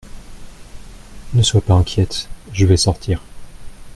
Ne sois pas inquiète, je vais sortir.